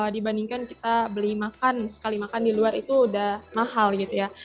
dibandingkan kita beli makan sekali makan di luar itu udah mahal gitu ya